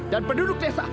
dan penduduk desa